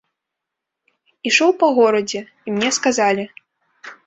Ішоў па горадзе, і мне сказалі.